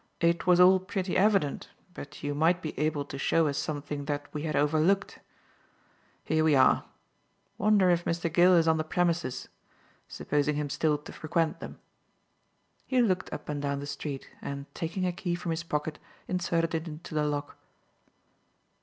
"It was all pretty evident, but you might be able to show us something that we had overlooked. Here we are. I wonder if Mr. Gill is on the premises supposing him still to frequent them." He looked up and down the street, and, taking a key from his pocket, inserted it into the lock.